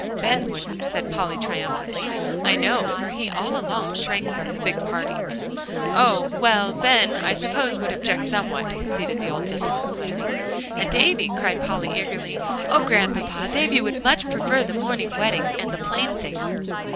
"Ben wouldn't," said Polly triumphantly, "I know, for he all along shrank from the big party." "Oh! well, Ben, I suppose, would object somewhat," conceded the old gentleman slowly. "And Davie," cried Polly eagerly; "Oh, Grandpapa! David would much prefer the morning wedding and the plain things."